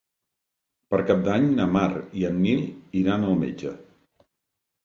Per Cap d'Any na Mar i en Nil iran al metge.